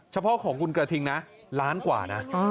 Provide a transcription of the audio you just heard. เฉพาะของคุณกระทิงนะล้านกว่านะ